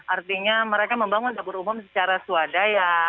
artinya mereka membangun dapur umum secara swadaya